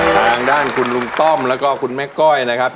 ทางด้านคุณลุงต้อมแล้วก็คุณแม่ก้อยนะครับ